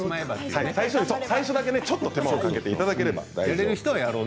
最初だけちょっと手間をかけていただければ。